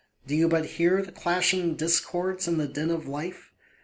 Do you but hear the clashing discords and the din of life?